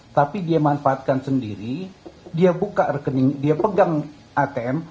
tapi dia manfaatkan sendiri dia pegang atm